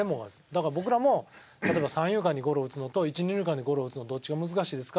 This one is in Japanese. だから僕らも例えば三遊間にゴロを打つのと一二塁間にゴロを打つのどっちが難しいですか？